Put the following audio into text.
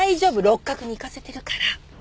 六角に行かせてるから。